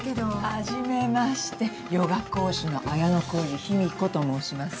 はじめましてヨガ講師の綾小路緋美子と申します。